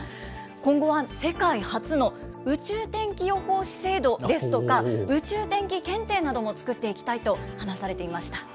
今後は世界初の宇宙天気予報士制度ですとか、宇宙天気検定なども作っていきたいと話されていました。